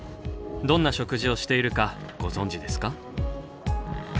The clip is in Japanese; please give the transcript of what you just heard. どんな食事をしているかご存じですか？